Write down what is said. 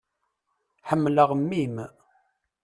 Ḥemmleɣ mmi-m.